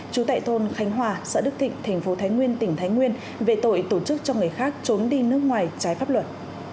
chú tại thôn khánh hòa xã đức thịnh tp thái nguyên tỉnh thái nguyên về tội tổ chức cho người khác trốn đi nước ngoài trái pháp luật